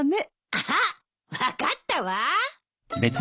あっ分かったわ。